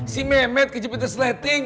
si mehmet kejepitan slating